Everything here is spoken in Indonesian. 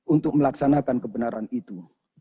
untuk melaksanakan kebenaran itu